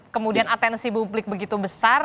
kemudian atensi publik begitu besar